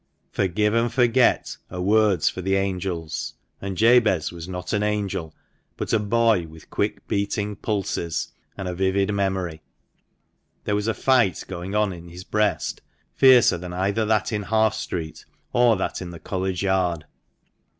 " Forgive and forget " are words for the angels, and Jabez was not an angel, but a boy with quick beating pulses, and a ioo THE MANCHESTER MAN. vivid memory. There was a fight going on in his breast fiercer than either that in Half Street or that in the College Yard.